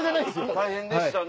大変でしたね。